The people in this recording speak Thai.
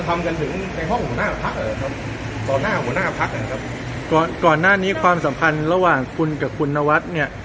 ต่อหน้าหัวหน้าพักน่ะครับก่อนก่อนหน้านี้ความสำคัญระหว่างคุณกับคุณนวัดเนี่ย